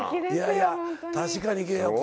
いやいや確かにキレイ。